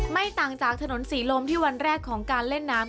ไม่ต่างจากถนนศรีลมที่วันแรกของการเล่นน้ำ